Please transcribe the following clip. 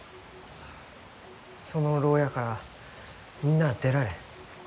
その牢屋からみんなあ出られん。